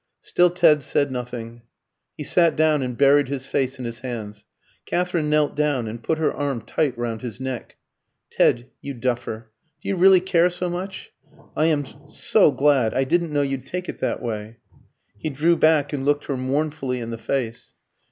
Still Ted said nothing. He sat down and buried his face in his hands. Katherine knelt down and put her arm tight round his neck. "Ted, you duffer, do you really care so much? I am so glad. I didn't know you'd take it that way." He drew back and looked her mournfully in the face.